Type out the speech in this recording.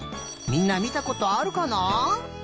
みんなみたことあるかな？